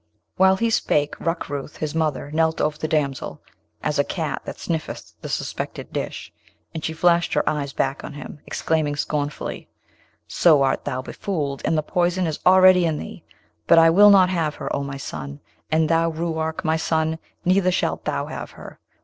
While he spake, Rukrooth his mother knelt over the damsel, as a cat that sniffeth the suspected dish; and she flashed her eyes back on him, exclaiming scornfully, 'So art thou befooled, and the poison is already in thee! But I will not have her, O my son! and thou, Ruark, my son, neither shalt thou have her.